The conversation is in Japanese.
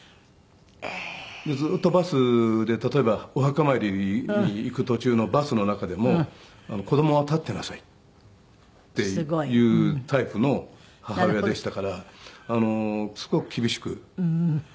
ずっとバスで例えばお墓参りに行く途中のバスの中でも「子供は立っていなさい」っていうタイプの母親でしたからすごく厳しくしつけられた。